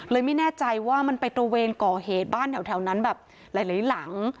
ไม่แน่ใจว่ามันไปตระเวนก่อเหตุบ้านแถวนั้นแบบหลายหลัง